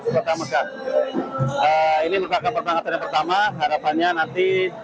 kota mekah ini merupakan pertangkatan yang pertama harapannya nanti